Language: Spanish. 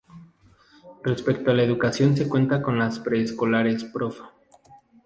Respecto a la educación se cuenta con las pre-escolares Prof.